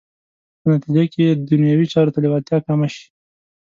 په نتیجه کې دنیوي چارو ته لېوالتیا کمه شي.